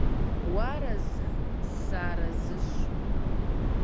- Уарэзы? - Сыарэзыщ, -.